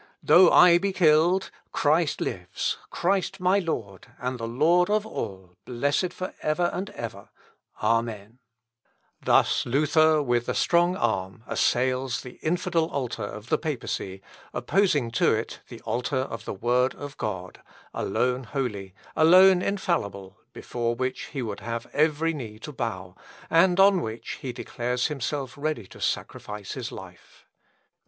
Though I be killed, Christ lives, Christ my Lord, and the Lord of all, blessed for ever and ever. Amen." "Si occidor, vivit Christus. Dominus meus et omnium." (Ibid., p. 186.) Thus Luther with a strong arm assails the infidel altar of the papacy, opposing to it the altar of the word of God, alone holy, alone infallible, before which he would have every knee to bow, and on which he declares himself ready to sacrifice his life.